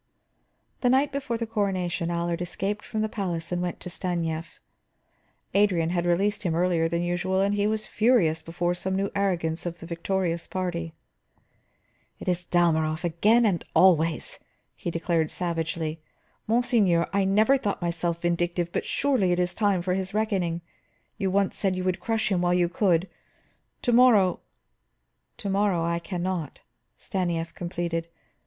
The night before the coronation, Allard escaped from the palace and went to Stanief. Adrian had released him earlier than usual, and he was furious before some new arrogance of the victorious party. "It is Dalmorov again, and always," he declared savagely. "Monseigneur, I never thought myself vindictive, but surely it is time for his reckoning. You once said you would crush him while you could; to morrow " "To morrow I can not," Stanief completed.